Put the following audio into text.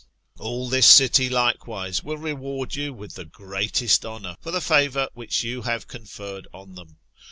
All this city, likewise, will reward you with the greatest honour, for the favour which you have conferred on them.